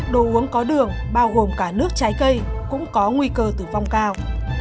đồ uống có đường bao gồm cả nước trái cây cũng có nguy cơ tử vong cao